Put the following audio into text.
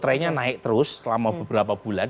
trennya naik terus selama beberapa bulan